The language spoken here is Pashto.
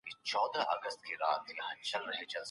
د هیواد آبادی د ټولو ګډ مسوليت ده